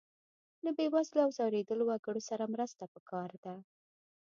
له بې وزلو او ځورېدلو وګړو سره مرسته پکار ده.